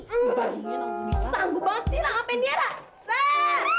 sanggup banget sih ngapain dia nak